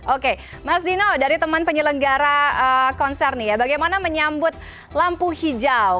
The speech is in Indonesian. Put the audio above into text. oke mas dino dari teman penyelenggara konser nih ya bagaimana menyambut lampu hijau